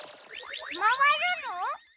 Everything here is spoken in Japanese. まわるの？